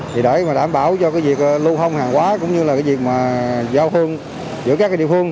để đảm bảo cho việc lưu hông hàng hóa cũng như việc giao hông giữa các địa phương